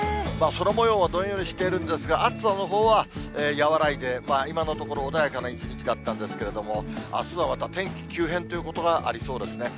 空もようはどんよりしているんですが、暑さのほうは和らいで、今のところ、穏やかな一日だったんですけれども、あすはまた天気急変ということがありそうですね。